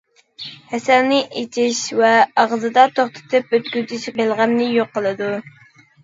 ھەسەلنى ئىچىش ۋە ئاغزىدا توختىتىپ ئۆتكۈزۈش بەلغەمنى يوق قىلىدۇ.